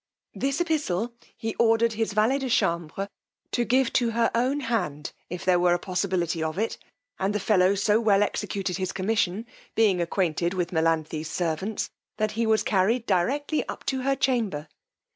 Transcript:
This epistle he ordered his valet de chambre to give to her own hand, if there were a possibility of it; and the fellow so well executed his commission, being acquainted with Melanthe's servants, that he was carried directly up to her chamber.